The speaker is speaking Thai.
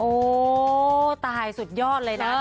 โอ้ตายสุดยอดเลยนะ